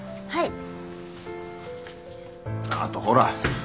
はい。